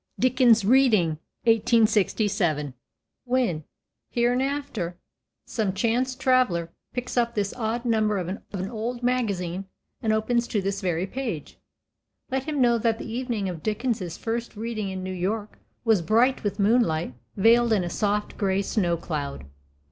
DICKENS READING. [1867.] When, hereafter, some chance traveller picks up this odd number of an old magazine and opens to this very page, let him know that the evening of Dickens's first reading in New York was bright with moonlight veiled in a soft gray snow cloud.